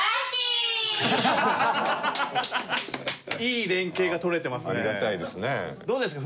いい連携が取れてますね。